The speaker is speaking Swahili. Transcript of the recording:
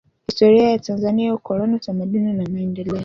Historia ya Tanzania Ukoloni Utamaduni na Maendeleo